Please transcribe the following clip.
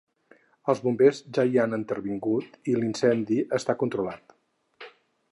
Els bombers ja hi han intervingut i l’incendi està controlar.